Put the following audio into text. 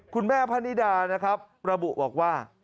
คุณแม่พนิดานะครับระบุบอกว่า